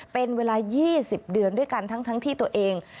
เป็นเวลา๒๐เดือนด้วยกันทั้งที่ตัวเอง